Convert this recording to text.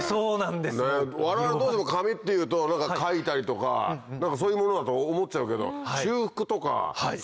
我々どうしても紙っていうと書いたりとか何かそういうものだと思っちゃうけど。